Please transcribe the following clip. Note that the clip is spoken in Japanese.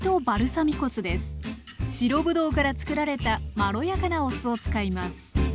白ぶどうからつくられたまろやかなお酢を使います。